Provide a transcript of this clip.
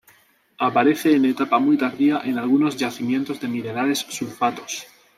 Aparece en etapa muy tardía en algunos yacimientos de minerales sulfatos.